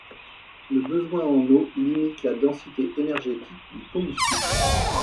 Le besoin en eau limite la densité énergétique du combustible.